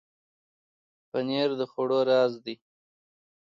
پنېر د خوړو راز دی.